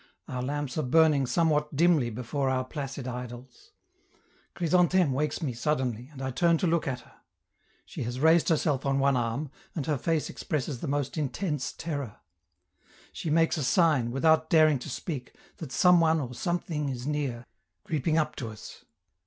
Our lamps are burning somewhat dimly before our placid idols. Chrysantheme wakes me suddenly, and I turn to look at her: she has raised herself on one arm, and her face expresses the most intense terror; she makes a sign, without daring to speak, that some one or something is near, creeping up to us.